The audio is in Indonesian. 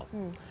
amdal itu ada